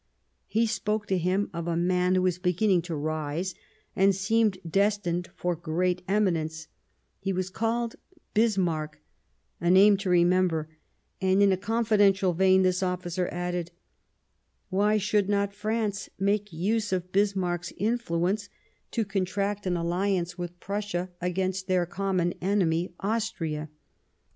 He spoke to him of a man who was beginning to rise, and seemed destined for great eminence ; he was called Bismarck — a name to remember ; and in a confidential vein this officer added :" Why should not France make use of Bismarck's influence to contract an alliance with Prussia against their common enemy, Aus tria